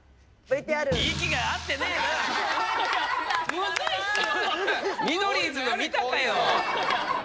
むずいっすよ。